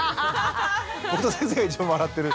僕と先生が一番笑ってる。